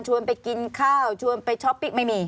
ไปกินข้าวชวนไปช้อปปิ้งไม่มี